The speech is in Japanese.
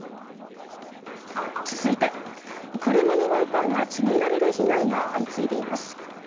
続いて、車のワイパーがちぎられる被害が相次いでいます。